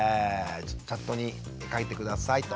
チャットに書いて下さいと。